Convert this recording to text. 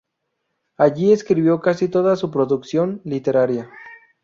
Allí escribió casi toda su producción literaria.